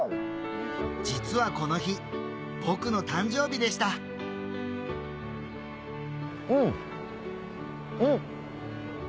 実はこの日僕の誕生日でしたうんうん！